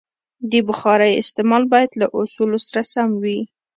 د بخارۍ استعمال باید له اصولو سره سم وي.